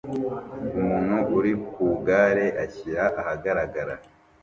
Umuntu uri ku igare ashyira ahagaragara